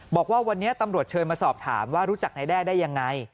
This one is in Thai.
บอกว่าวันนี้ตำรวจเชิญมาสอบถามว่ารู้จักนายแด้ได้ยังไง